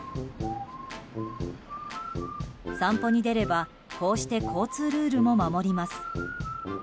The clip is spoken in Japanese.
散歩に出ればこうして交通ルールも守ります。